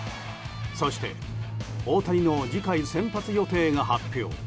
そして、大谷の次回先発予定が発表。